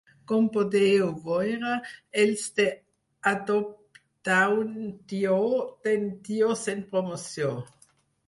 Com podeu veure els de ‘adoptauntio’ tenen ‘tios’ en promoció.